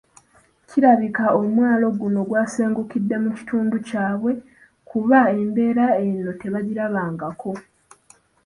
Kirabika omwalo guno gwasengukidde mu kitundu kyabwe kuba embeera eno tebagirabangako.